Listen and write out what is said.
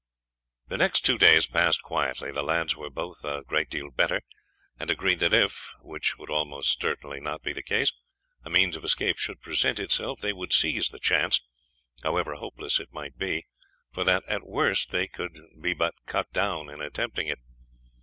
The next two days passed quietly. The lads were both a great deal better, and agreed that if which would almost certainly not be the case a means of escape should present itself, they would seize the chance, however hopeless it might be, for that at worst they could but be cut down in attempting it.